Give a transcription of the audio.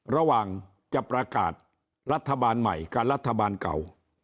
ระหว่างจะประกาศรัฐบาลใหม่กับรัฐบาลเก่า